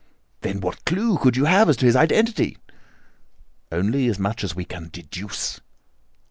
"Then, what clue could you have as to his identity?" "Only as much as we can deduce."